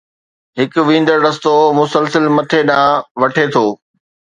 هڪ ويندڙ رستو مسلسل مٿي ڏانهن وٺي ٿو.